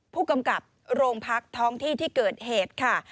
ผู้กำกับโรงพักท้องที่ที่เกิดเหตุค่ะ